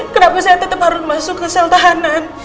kenapa saya tetap harus masuk ke sel tahanan